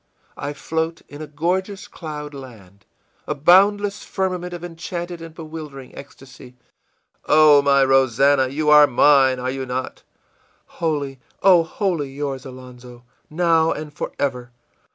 I float in a gorgeous cloud land, a boundless firmament of enchanted and bewildering ecstasy!î ìOh, my Rosannah! for you are mine, are you not?î ìWholly, oh, wholly yours, Alonzo, now and forever!